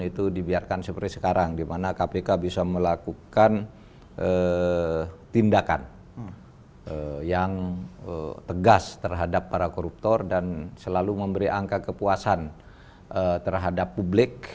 itu dibiarkan seperti sekarang di mana kpk bisa melakukan tindakan yang tegas terhadap para koruptor dan selalu memberi angka kepuasan terhadap publik